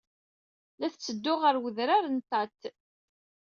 La tetteddu ɣer Wedrar n Tate.